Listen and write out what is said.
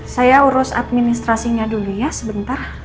saya urus administrasinya dulu ya sebentar